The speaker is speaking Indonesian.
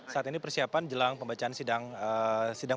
saat ini persiapan jelang pembacaan sidang